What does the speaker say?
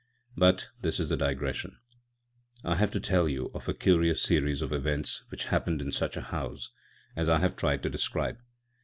But this is a digression. I have to tell you of a curious series of events which happened in such a house as I have tried to describe.